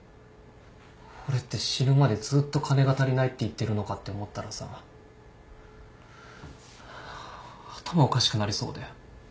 俺って死ぬまでずっと金が足りないって言ってるのかって思ったらさ頭おかしくなりそうで。